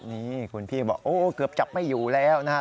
นี่คุณพี่บอกโอ้เกือบจับไม่อยู่แล้วนะฮะ